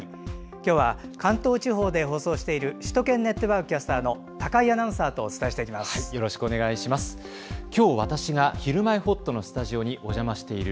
今日は関東地方で放送している「首都圏ネットワーク」キャスターの高井アナウンサーとお伝えしていきます。